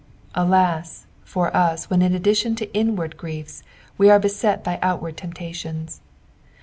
Alas I for us when in addition to inward griefs, we are beset by outward temptations.